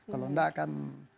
kalau enggak kan